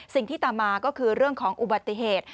สิ่งที่ตามมาก็คือเรื่องของอุบัติเหตุ